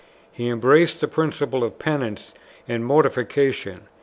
He embraced the principle of penance and mortification.